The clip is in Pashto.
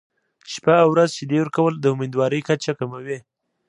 شپه او ورځ شیدې ورکول د امیندوارۍ کچه کموي.